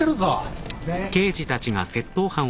すいません。